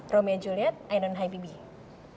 romia dan juliet ainun dan habibie